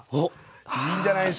いいんじゃないっすか。